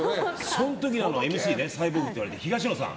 その時のＭＣ、サイボーグって言われてる東野さん。